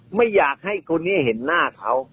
ไม่อยากให้คนนี้เห็นหน้าเขา